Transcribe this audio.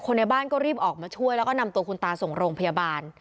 ในบ้านก็รีบออกมาช่วยแล้วก็นำตัวคุณตาส่งโรงพยาบาล